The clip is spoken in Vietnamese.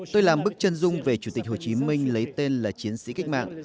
tôi làm bức chân dung về chủ tịch hồ chí minh lấy tên là chiến sĩ cách mạng